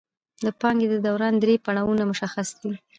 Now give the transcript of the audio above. د پانګې د دوران درې پړاوونه مشخص دي